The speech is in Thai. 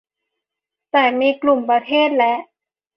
แต่มีกลุ่มประเทศและ